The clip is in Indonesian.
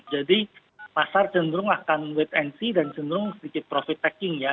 jadi pasar cenderung akan wait and see dan cenderung sedikit profit taking ya